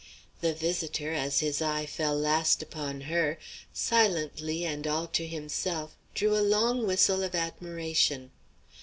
The visitor, as his eye fell last upon her, silently and all to himself drew a long whistle of admiration.